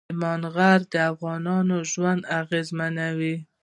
سلیمان غر د افغانانو ژوند اغېزمنوي.